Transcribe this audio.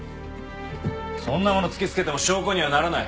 そんなもの突きつけても証拠にはならない！